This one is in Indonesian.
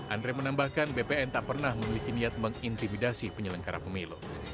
andre menambahkan bpn tak pernah memiliki niat mengintimidasi penyelenggara pemilu